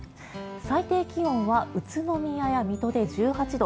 最低気温は宇都宮や水戸で１８度。